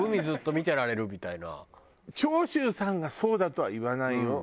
長州さんがそうだとは言わないよ。